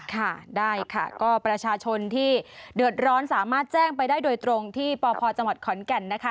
ค่ะได้ค่ะก็ประชาชนที่เดือดร้อนสามารถแจ้งไปได้โดยตรงที่ปพจังหวัดขอนแก่นนะคะ